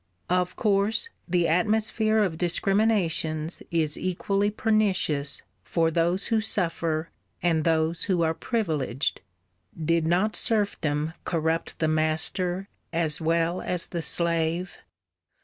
Of course, the atmosphere of discriminations is equally pernicious for those who suffer and those who are privileged: did not serfdom corrupt the master as well as the slave?